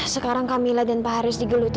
sekarang kamila dan pak haris digeluti